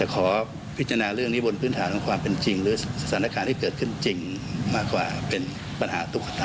ขอพิจารณาเรื่องนี้บนพื้นฐานของความเป็นจริงหรือสถานการณ์ที่เกิดขึ้นจริงมากกว่าเป็นปัญหาตุ๊กตา